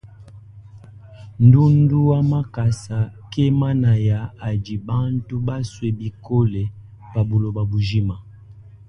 Ndundu wa makasa ke manaya adi bantu basue bikole pa buloba bujima.